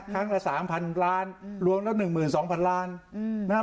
ครั้งละสามพันล้านรวมแล้วหนึ่งหมื่นสองพันล้านอืมนะฮะ